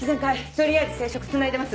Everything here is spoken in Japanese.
取りあえず生食つないでます。